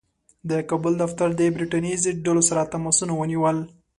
د کابل دفتر د برټانیې ضد ډلو سره تماسونه ونیول.